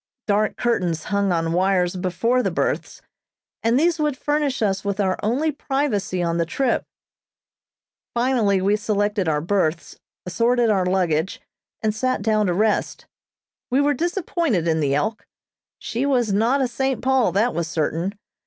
Dark curtains hung on wires before the berths, and these would furnish us with our only privacy on the trip. Finally we selected our berths, assorted our luggage, and sat down to rest. We were disappointed in the "Elk." She was not a "St. Paul," that was certain.